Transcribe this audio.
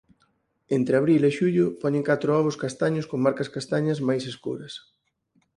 Entre abril e xullo poñen catro ovos castaños con marcas castañas máis escuras.